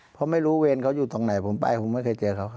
เพราะไม่รู้เวรเขาอยู่ตรงไหนผมไปผมไม่เคยเจอเขา